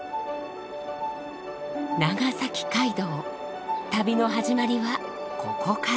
長崎街道旅の始まりはここから。